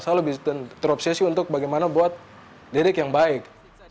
selalu terobsesi untuk bagaimana buat didik yang baik